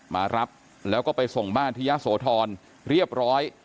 มารับแล้วก็ไปส่งบ้านที่ยะโสธรเรียบร้อย